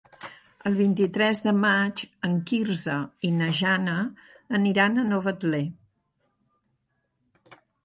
El vint-i-tres de maig en Quirze i na Jana aniran a Novetlè.